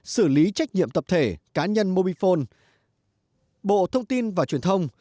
xử lý trách nhiệm tập thể cá nhân mobifone bộ thông tin và truyền thông